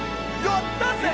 やったぜ！